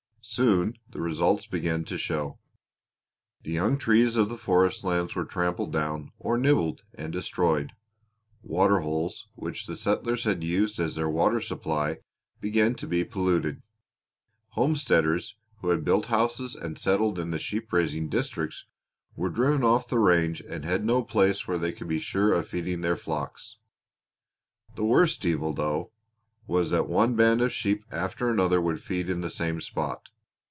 Soon the results began to show. The young trees of the forest lands were trampled down, or nibbled and destroyed; water holes, which the settlers had used as their water supply, began to be polluted; homesteaders, who had built houses and settled in the sheep raising districts, were driven off the range and had no place where they could be sure of feeding their flocks. The worst evil, though, was that one band of sheep after another would feed in the same spot.